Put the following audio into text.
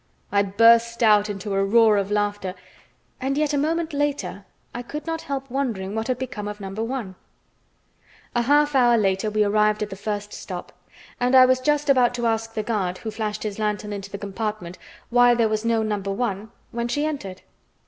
I burst out into a roar of laughter, and yet a moment later I could not help wondering what had become of No. 1. A half hour later we arrived at the first stop, and I was just about to ask the guard who flashed his lantern into the compartment why there was no No. 1, when she entered.